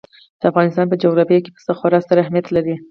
د افغانستان په جغرافیه کې پسه خورا ستر اهمیت لري.